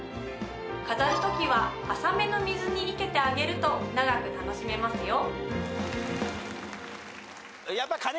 飾るときは浅めの水に生けてあげると長く楽しめますよ。